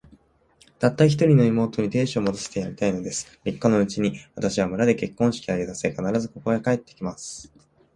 たった一人の妹に、亭主を持たせてやりたいのです。三日のうちに、私は村で結婚式を挙げさせ、必ず、ここへ帰って来ます。